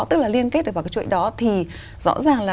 tức là liên kết được vào cái chuỗi đó thì rõ ràng là